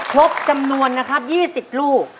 ครบจำนวนนะครับ๒๐ลูก